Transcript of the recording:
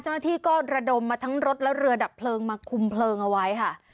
เจ้าหน้าที่ก็ระดมมาทั้งรถและเรือดับเพลิงมาคุมเพลิงเอาไว้ค่ะ